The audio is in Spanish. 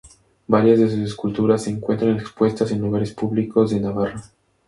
Varias de sus esculturas se encuentran expuestas en lugares públicos de Navarra.